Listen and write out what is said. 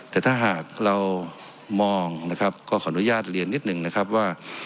แต่ถ้าหากเรามองนะครับก็ขออนุญาตเรียนนิดหนึ่งนะครับว่า